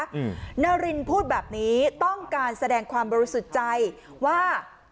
นารินพูดแบบนี้ต้องการแสดงความบริสุทธิ์ใจว่า